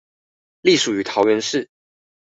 隸屬於桃園市